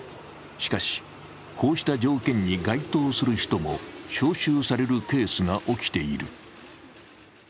しかし、こうした条件に該当する人も招集されるケースが起きている。